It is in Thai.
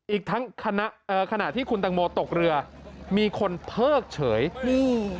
อีกทั้งขณะเอ่อขณะที่คุณตังโมตกเรือมีคนเพิกเฉยอืม